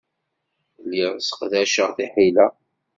Lliɣ sseqdaceɣ tiḥila.